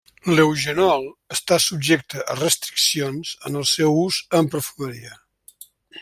L'eugenol està subjecte a restriccions en el seu ús en perfumeria.